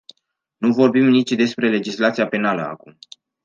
Nu vorbim nici despre legislația penală acum.